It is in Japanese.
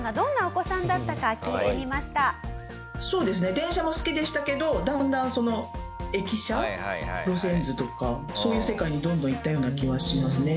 電車も好きでしたけどだんだんその駅舎路線図とかそういう世界にどんどんいったような気はしますね。